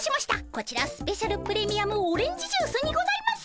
こちらスペシャルプレミアムオレンジジュースにございます。